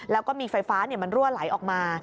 แล้วก็มีไฟฟ้ามันรั่วไหลออกมา